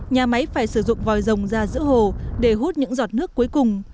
nhà máy phải sử dụng vòi rồng ra giữa hồ để hút những giọt nước cuối cùng